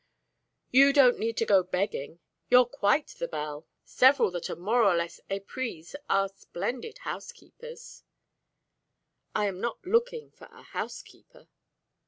"You don't need to go begging. You're quite the belle. Several that are more or less éprises are splendid housekeepers." "I am not looking for a housekeeper."